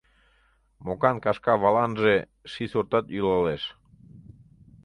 Мокан кашка валанже ший сортат йӱлалеш.